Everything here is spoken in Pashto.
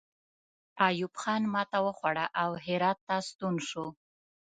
ایوب خان ماته وخوړه او هرات ته ستون شو.